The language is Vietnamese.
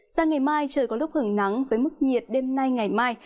sang ngày mai trời có lúc hưởng nắng với mức nhiệt đêm nay ngày mai